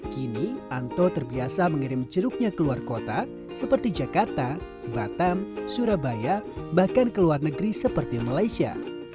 kini anto terbiasa mengirim jeruknya ke luar kota seperti jakarta batam surabaya bahkan ke luar negeri seperti malaysia